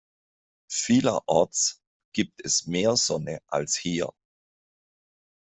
Vielerorts gibt es mehr Sonne als hier.